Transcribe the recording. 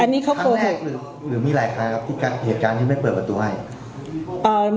มีครั้งแรกหรือมีหลายครั้งครับที่การเปลี่ยนการที่ไม่เปิดประตูให้